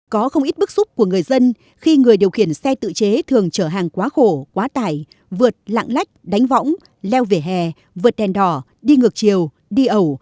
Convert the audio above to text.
có không ít bức xúc của người dân khi người điều khiển xe tự chế thường chở hàng quá khổ quá tải vượt lạng lách đánh võng leo về hè vượt đèn đỏ đi ngược chiều đi ẩu